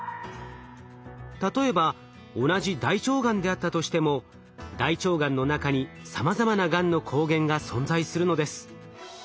例えば同じ大腸がんであったとしても大腸がんの中にさまざまながんの抗原が存在するのです。